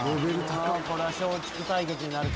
これは松竹対決になるか？